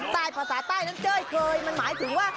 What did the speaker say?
ภาษาใต้นั้นเจ้ยเคยมันหมายถึงว่า